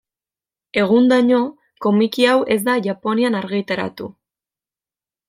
Egundaino, komiki hau ez da Japonian argitaratu.